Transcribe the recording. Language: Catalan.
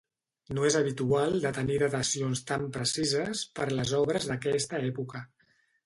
No és habitual de tenir datacions tan precises per les obres d'aquesta època.